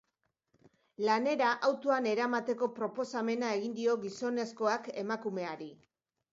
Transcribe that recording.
Lanera autoan eramateko proposamena egin dio gizonezkoak emakumeari.